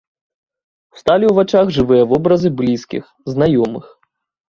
Усталі ў вачах жывыя вобразы блізкіх, знаёмых.